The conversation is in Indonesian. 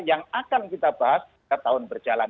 yang akan kita bahas setahun berjalan